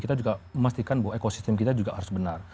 kita juga memastikan bahwa ekosistem kita juga harus benar